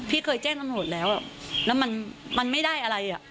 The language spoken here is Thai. พี่เคยแจ้งตำรวจแล้วแล้วมันไม่ได้อะไรอ่ะ